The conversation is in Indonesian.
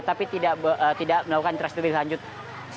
tapi tidak melakukan trust treat selanjutnya